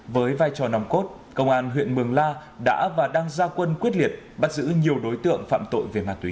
với vai trò nòng cốt công an huyện mường la đã và đang gia quân quyết liệt bắt giữ nhiều đối tượng phạm tội về ma túy